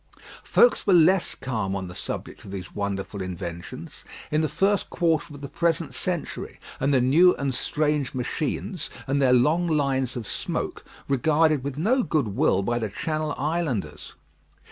Folks were less calm on the subject of these wonderful inventions in the first quarter of the present century; and the new and strange machines, and their long lines of smoke regarded with no good will by the Channel Islanders.